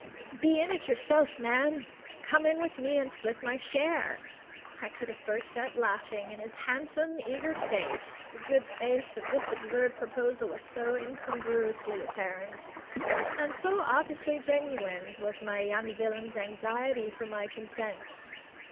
"Be in it yourself, man! Come in with me and split my share!" I could have burst out laughing in his handsome, eager face; the good faith of this absurd proposal was so incongruously apparent; and so obviously genuine was the young villain's anxiety for my consent.